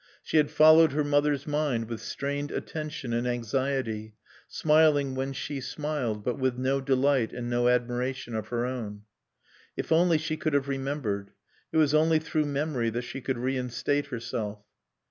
She had followed her mother's mind with strained attention and anxiety, smiling when she smiled, but with no delight and no admiration of her own. If only she could have remembered. It was only through memory that she could reinstate herself.